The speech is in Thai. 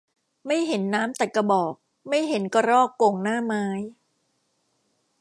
ไม่เห็นน้ำตัดกระบอก ไม่เห็นกระรอกโก่งหน้าไม้